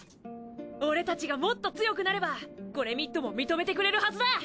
俺たちがもっと強くなればゴレミッドも認めてくれるはずだ！